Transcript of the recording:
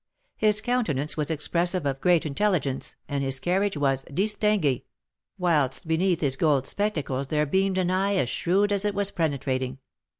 His countenance was expressive of great intelligence, and his carriage was distingué; whilst beneath his gold spectacles there beamed an eye as shrewd as it was penetrating.